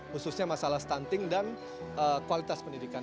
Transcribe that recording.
khususnya masalah stunting dan kualitas pendidikan